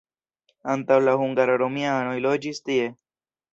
Antaŭ la hungaroj romianoj loĝis tie.